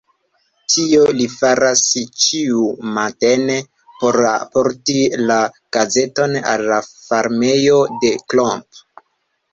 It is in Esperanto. Tion li faras ĉiumatene por alporti la gazeton al la farmejo de Klomp.